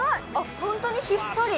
本当にひっそり。